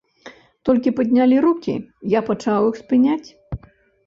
Толькі паднялі рукі, я пачаў іх спыняць.